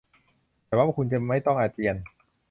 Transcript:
หวังว่าคุณจะไม่ต้องอาเจียน